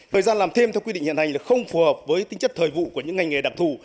thời gian làm thêm theo quy định hiện hành là không phù hợp với tính chất thời vụ của những ngành nghề đặc thù